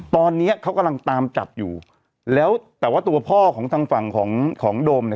ตอนนี้เขากำลังตามจับอยู่แล้วแต่ว่าตัวพ่อของทางฝั่งของของโดมเนี่ย